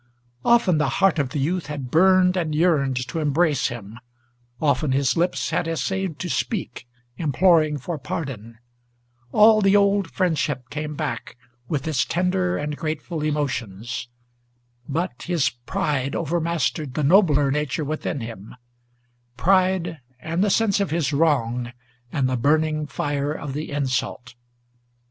Often the heart of the youth had burned and yearned to embrace him, Often his lips had essayed to speak, imploring for pardon; All the old friendship came back, with its tender and grateful emotions; But his pride overmastered the nobler nature within him, Pride, and the sense of his wrong, and the burning fire of the insult.